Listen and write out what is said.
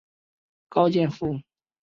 高剑父是岭南画派的创始人之一。